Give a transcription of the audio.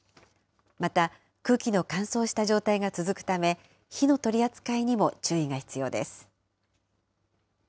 また、空気の乾燥した状態が続くため、火の取り扱いにも注意が必要です。